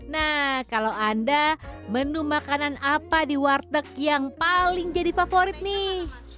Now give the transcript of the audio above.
nah kalau anda menu makanan apa di warteg yang paling jadi favorit nih